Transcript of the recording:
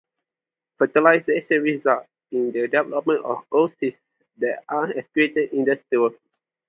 Fertilization results in the development of oocysts that are excreted in the stool.